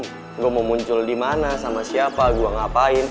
gue mau muncul dimana sama siapa gue ngapain